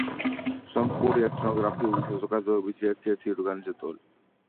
სომხური ეთნოგრაფიული საზოგადოების ერთ-ერთი ორგანიზატორი.